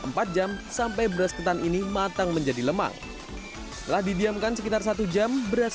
empat jam sampai beras ketan ini matang menjadi lemang telah didiamkan sekitar satu jam beras